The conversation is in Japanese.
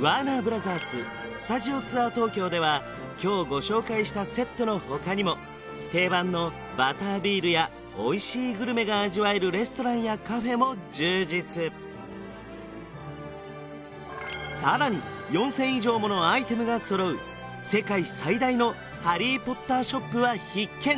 ワーナーブラザーススタジオツアー東京では今日ご紹介したセットの他にも定番のバタービールやおいしいグルメが味わえるレストランやカフェも充実さらに４０００以上ものアイテムが揃う世界最大のハリー・ポッターショップは必見！